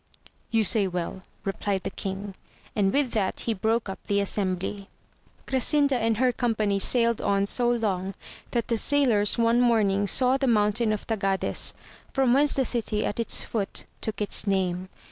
You say well, replied the king, and with that he broke up the assembly. Grasinda and her company sailed on so long that the sailors one morning saw the mountain of Tagades, from whence the city at its foot took its name.